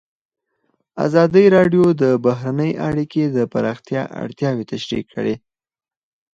ازادي راډیو د بهرنۍ اړیکې د پراختیا اړتیاوې تشریح کړي.